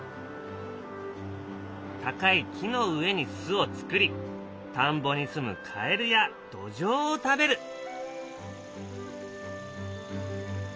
高い木の上に巣を作り田んぼにすむカエルやドジョウを食べる。